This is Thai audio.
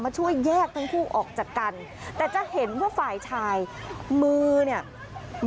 ช่วยแยกทั้งคู่ออกจากกันแต่จะเห็นว่าฝ่ายชายมือเนี่ย